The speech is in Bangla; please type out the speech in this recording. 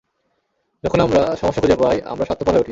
যখন আমরা সমস্যা খুঁজে পাই, আমরা স্বার্থপর হয়ে উঠি।